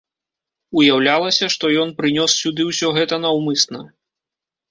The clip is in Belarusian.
Уяўлялася, што ён прынёс сюды ўсё гэта наўмысна.